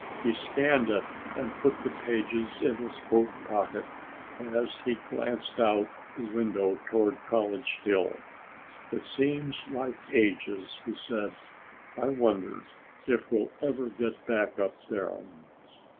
He scanned it and put the pages in his coat pocket as he glanced out the window toward College Hill. "It seems like ages," he said. "I wonder if we'll ever get back up there."